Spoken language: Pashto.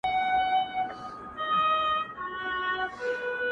ستا په لاره کي به نه وي زما د تږو پلونو نښي!